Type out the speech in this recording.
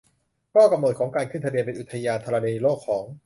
ข้อกำหนดของการขึ้นทะเบียนเป็นอุทยานธรณีโลกของ